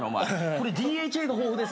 これＤＨＡが豊富ですね。